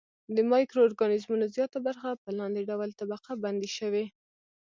د مایکرو ارګانیزمونو زیاته برخه په لاندې ډول طبقه بندي شوې.